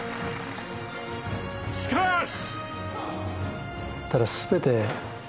しかーし！